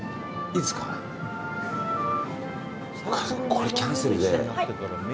これキャンセルで。